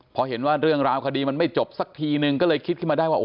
พอเห็นว่าเรื่องราวคดีมันไม่จบสักทีนึงก็เลยคิดขึ้นมาได้ว่า